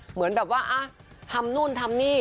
เหมือนแบบว่าทำนู่นทำนี่